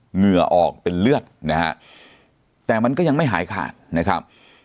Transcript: เหงื่อออกเป็นเลือดนะฮะแต่มันก็ยังไม่หายขาดนะครับ